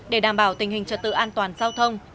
để đảm bảo tình hình trật tự an toàn giao thông